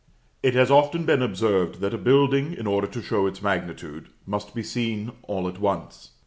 It has often been observed that a building, in order to show its magnitude, must be seen all at once.